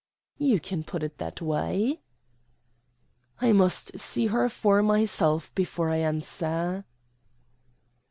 "You can put it that way." "I must see her for myself before I answer."